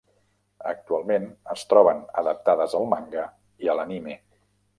Actualment, es troben adaptades al manga i a l'anime.